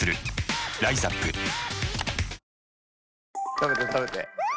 食べて食べて。